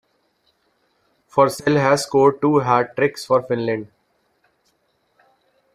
Forssell has scored two hat-tricks for Finland.